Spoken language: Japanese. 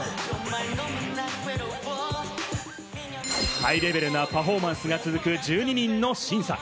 ハイレベルなパフォーマンスが続く１２人の審査。